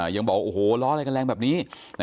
ยังบอกโอ้โหล้ออะไรกันแรงแบบนี้